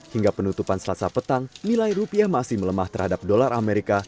hingga penutupan selasa petang nilai rupiah masih melemah terhadap dolar amerika